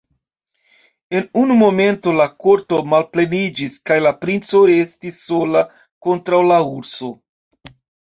En unu momento la korto malpleniĝis, kaj la princo restis sola kontraŭ la urso.